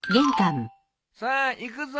さあ行くぞ。